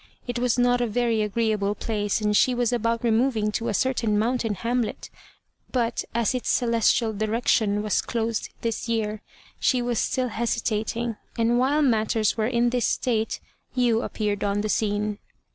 It was not a very agreeable place, and she was about removing to a certain mountain hamlet, but, as its 'celestial direction' was closed this year, she was still hesitating, and while matters were in this state, you appeared on the scene.